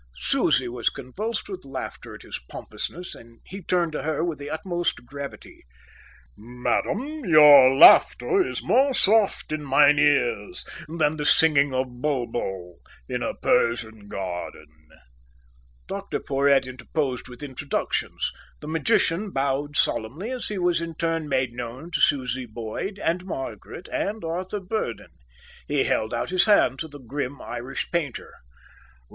Susie was convulsed with laughter at his pompousness, and he turned to her with the utmost gravity. "Madam, your laughter is more soft in mine ears than the singing of Bulbul in a Persian garden." Dr Porhoët interposed with introductions. The magician bowed solemnly as he was in turn made known to Susie Boyd, and Margaret, and Arthur Burdon. He held out his hand to the grim Irish painter.